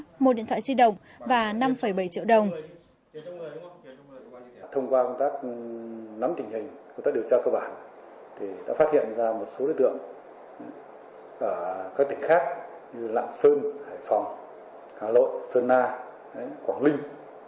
thông qua công tác nắm tình hình công tác điều tra cơ bản đã phát hiện ra một số đối tượng ở các tỉnh khác như lạng sơn hải phòng hà nội sơn na quảng linh